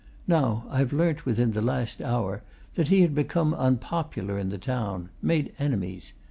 Now, I've learnt within the last hour that he had become unpopular in the town made enemies.